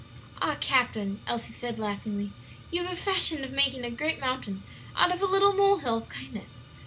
"Ah, captain," Elsie said, laughingly, "you have a fashion of making a great mountain out of a little mole hill of kindness.